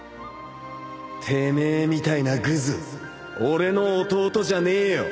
てめえみたいなぐず俺の弟じゃねえよ。